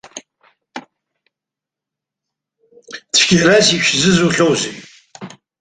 Цәгьарас ишәзызухьозеи?